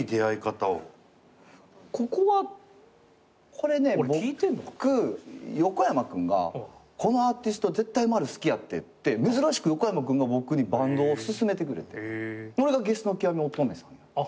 これね僕横山君が「このアーティスト絶対マル好きやって」って珍しく横山君が僕にバンドをすすめてくれてそれがゲスの極み乙女さん。